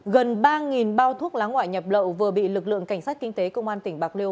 gần ba bao thuốc lá ngoại nhập lậu vừa bị lực lượng cảnh sát kinh tế công an tỉnh bạc liêu